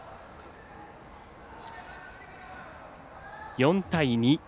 ４対２。